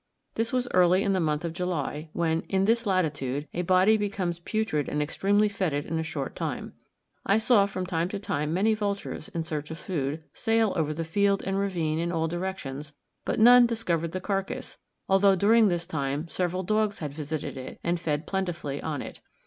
This was early in the month of July, when, in this latitude, a body becomes putrid and extremely fetid in a short time. I saw from time to time many vultures, in search of food, sail over the field and ravine in all directions, but none discovered the carcass, although during this time several dogs had visited it and fed plentifully on it.